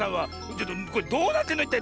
ちょっとこれどうなってんのいったい？